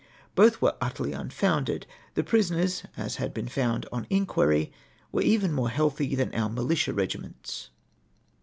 Both were utterly unfounded. The prisoners, as had been found on inquiry, were even more healthy than our militia regiments.